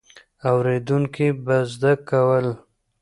اورېدونکي به زده کول.